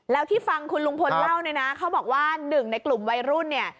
แล้วที่ฟังคุณลุงพลเล่าเนี่ยนะเขาบอกว่าหนึ่งในกลุ่มวัยรุ่นเนี่ย